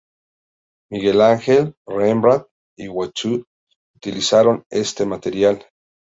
Miguel Ángel, Rembrandt y Watteau utilizaron este material.